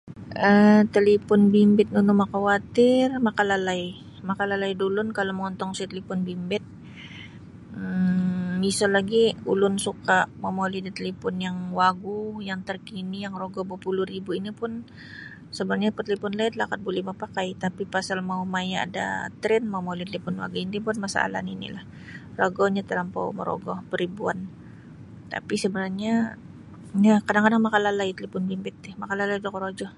um Talipun bimbit nunu makawatir makalalai makalalai da ulun kalau mongontong saja talipun bimbit um miso lagi ulun suka momoli da talipun yang wagu yang terkini yang rogo bapuluh ribu ino pun sabanarnya talipun laid lakat buli mapakai tapi pasal mau maya da trend momoli da talipun wagu ini pun masalah nini lah rogonyo talampau morogo paribuan tapi sabanarnya ya kadang-kadang makalalai talipun bimbit ti makalalai da korojo.